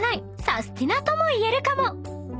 サスティなとも言えるかも］